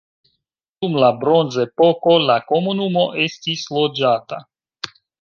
Dum la bronzepoko la komunumo estis loĝata.